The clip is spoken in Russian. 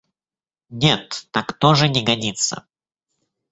Нет, так тоже не годится!